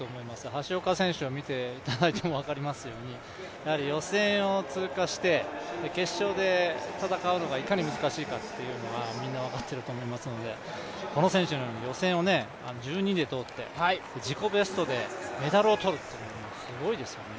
橋岡選手を見ていただいても分かりますとおり予選を通過して、決勝で戦うのがいかに難しいかというのはみんな分かっていると思いますので、この選手のように、予選を１２位で通って、自己ベストでメダルを取る、すごいですよね。